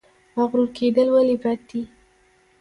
مغرور کیدل ولې بد دي؟